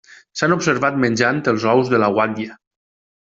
S'han observat menjant els ous de la guatlla.